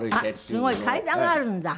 すごい！階段があるんだ。